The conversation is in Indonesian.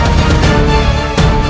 aku akan menemukanmu